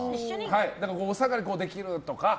お下がりできるとか。